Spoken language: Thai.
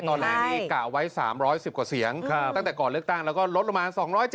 ตอนแรกนี่กะไว้๓๑๐กว่าเสียงตั้งแต่ก่อนเลือกตั้งแล้วก็ลดลงมา๒๗๐